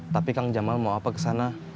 tapi kang jamal mau apa kesana